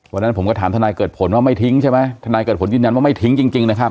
วันนั้นผมก็ถามทนายเกิดผลว่าไม่ทิ้งใช่ไหมทนายเกิดผลยืนยันว่าไม่ทิ้งจริงนะครับ